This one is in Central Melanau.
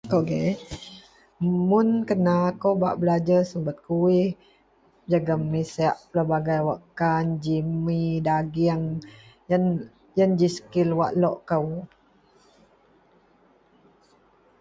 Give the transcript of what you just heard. …. ok.. mun kena akou bak belajer subet kuwih jegem miseak pelbagai wakkan ji mi, dagieng, yen, yen ji sekil wak lok kou.